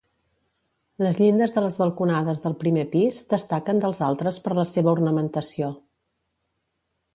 Les llindes de les balconades del primer pis destaquen dels altres per la seva ornamentació.